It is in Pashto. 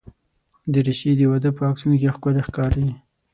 دریشي د واده په عکسونو کې ښکلي ښکاري.